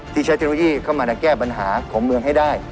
ใช้เทคโนโลยีเข้ามาแก้ปัญหาของเมืองให้ได้